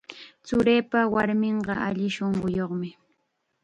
Churiipa warminqa alli shunquyuqmi.